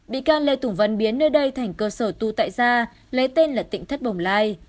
bị can lê tùng vân biến nơi đây thành cơ sở tu tại da lấy tên là tỉnh thất bồng lai